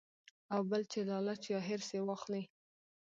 او بل چې لالچ يا حرص ئې واخلي -